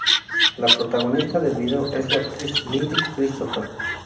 La protagonista del vídeo es la actriz Lindy Cristopher.